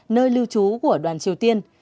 nơi lưu trú của đoàn triều tiên